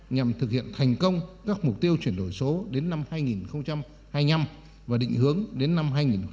nhằm thực hiện thành công các mục tiêu chuyển đổi số đến năm hai nghìn hai mươi năm và định hướng đến năm hai nghìn ba mươi